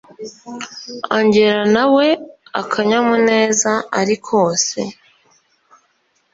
angella nawe akanyamuneza arikose